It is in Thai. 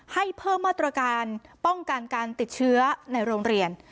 ให้เพิ่มมาตรการป้องกันการติดเชื้อในโรงเรียน